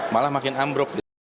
malah makin ambruk